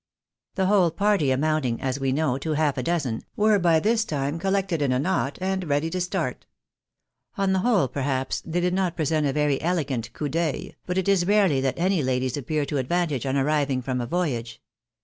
The whole party amounting, as we know, to half a dozen, were by this time collected in a knot, and ready to start. On the whole, perhaps, they did not present a very elegant coiip d'ceil, but it is rarely that any ladies appear to advantage on arriving from a voyage.